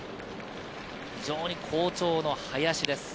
非常に好調の林です。